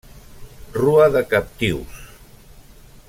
Rua de captius.